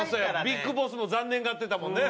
ＢＩＧＢＯＳＳも残念がってたもんね。